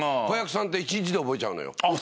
子役さんって１日で覚えちゃうのよ。